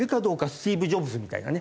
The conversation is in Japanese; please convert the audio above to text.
スティーブ・ジョブズみたいなね。